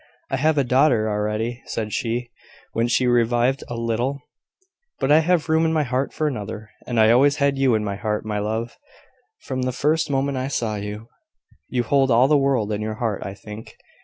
"I have a daughter already," said she, when she revived a little: "but I have room in my heart for another: and I always had you in my heart, my love, from the first moment I saw you." "You hold all the world in your heart, I think."